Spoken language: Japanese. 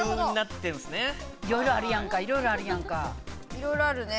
いろいろあるね。